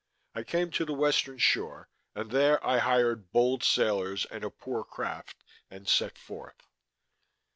I came to the western shore, and there I hired bold sailors and a poor craft, and set forth.